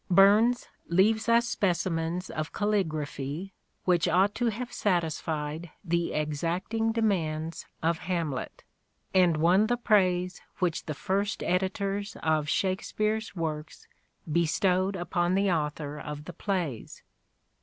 Burns leaves us specimens of calligraphy which ought to have satisfied the exacting demands of Hamlet, and won the praise which the first editors of " Shakespeare's " works bestowed upon the author of the plays.